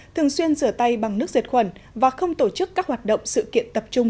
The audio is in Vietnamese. thường xuyên rửa tay bằng nước diệt khuẩn và không tổ chức các hoạt động sự kiện tập trung